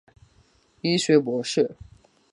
医学博士。